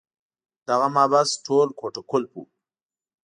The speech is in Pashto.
دغه محبس ټول کوټه قلف وو.